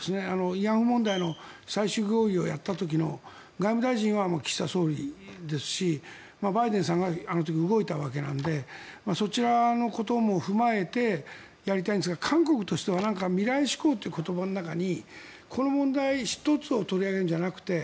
慰安婦問題の最終合意をやった時の外務大臣は岸田総理ですしバイデンさんがあの時動いたわけなのでそちらのことも踏まえてやりたいんですが韓国としては未来志向という言葉の中にこの問題１つを取り上げるんじゃなくて